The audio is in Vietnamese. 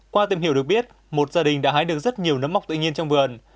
qua tìm hiểu được biết một gia đình đã hái được rất nhiều nấm mọc tự nhiên trong vườn